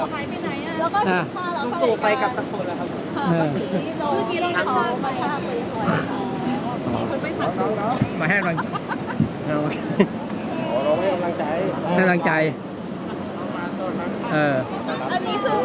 ขอบคุณค่ะสวัสดีครับ